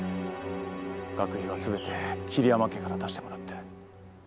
学費は全て桐山家から出してもらって。